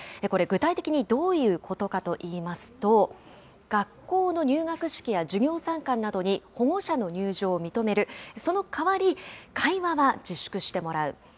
これ、具体的にどういうことかといいますと、学校の入学式や授業参観などに保護者の入場を認める、そのかわり、会話は自粛してもらう。